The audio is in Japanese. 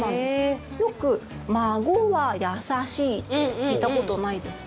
よく「まごわやさしい」って聞いたことないですか？